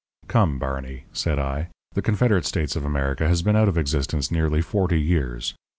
"Come, Barney," said I, "the Confederate States of America has been out of existence nearly forty years.